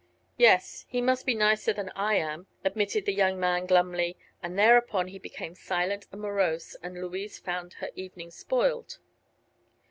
"Yes; he must be nicer than I am," admitted the young man, glumly, and thereupon he became silent and morose and Louise found her evening spoiled.